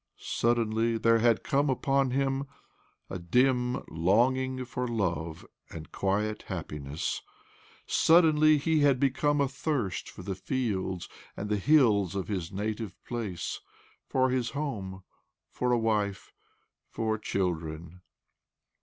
Suddenly there had come upon him a dim longing for love and quiet happiness ; suddenly he had become athirst for the fields and the hills of his native place, for his home, for a wife, for children.